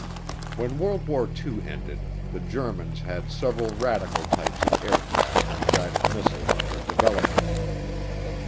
When World War II ended, the Germans had several radical types of aircraft and guided missiles under development.